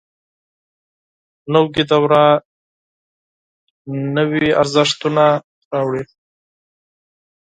نوې دوره نوي ارزښتونه راوړي